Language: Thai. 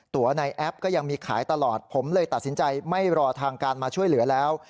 ตัวในแอปก็ยังมีขายตลอดผมเลยตัดสินใจไม่รอทางการมาช่วยเหลือแล้ว